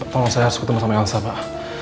tolong saya harus ketemu sama elsa pak